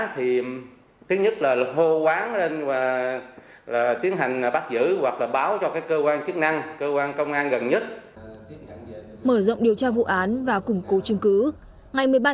thì thứ nhất là hô quán lên và tiến hành bắt giữ hoặc là báo cho cơ quan chức năng cơ quan công an gần nhất